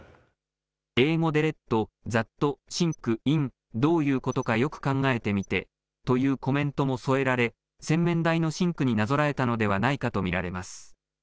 英語でｌｅｔｔｈａｔｓｉｎｋｉｎどういうことかよく考えてみてというコメントも添えられ洗面台のシンクになぞらえたのではないかと見られます。